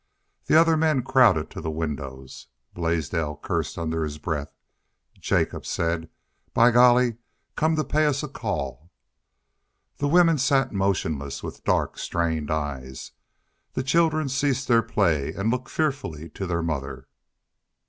The other men crowded to the windows. Blaisdell cursed under his breath. Jacobs said: "By Golly! Come to pay us a call!" The women sat motionless, with dark, strained eyes. The children ceased their play and looked fearfully to their mother.